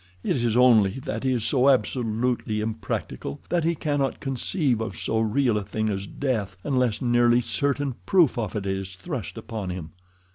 It is only that he is so absolutely impractical that he cannot conceive of so real a thing as death unless nearly certain proof of it is thrust upon him."